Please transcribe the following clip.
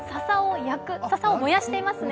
ささを燃やしていますね、